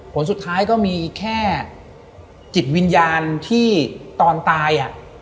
ผลสุดท้ายก็มีแค่จิตวิญญาณที่ตอนตาย